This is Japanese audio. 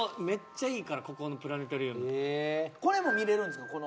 めっちゃいいからここのプラネタリウムこれも見れるんですか？